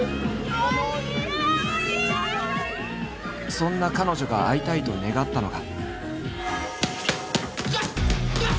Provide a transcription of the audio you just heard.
そんな彼女が会いたいと願ったのが。